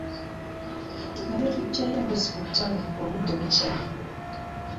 Tugende tujeyo embuzzi ku ttale nga obudde bukyaali.